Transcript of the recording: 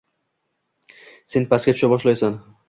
Sen pastga tusha boshlaysan.